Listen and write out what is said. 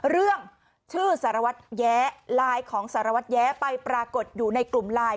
เรื่องชื่อสารวัตรแย้ไลน์ของสารวัตรแย้ไปปรากฏอยู่ในกลุ่มไลน์